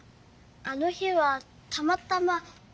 あの日はたまたま。